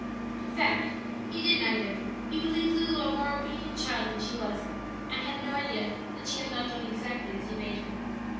In fact, he did neither; he believed Lulu a more obedient child than she was, and had no idea that she had not done exactly as he bade her.